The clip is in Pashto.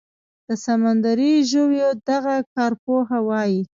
د سمندري ژویو دغه کارپوهه وايي